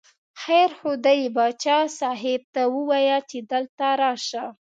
خیر خو دی، باچا صاحب ته ووایه چې دلته راشه.